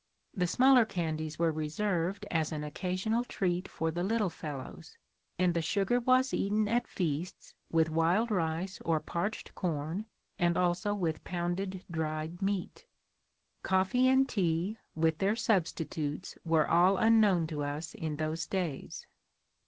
The smaller candies were reserved as an occasional treat for the little fellows, and the sugar was eaten at feasts with wild rice or parched corn, and also with pounded dried meat. Coffee and tea, with their substitutes, were all unknown to us in those days.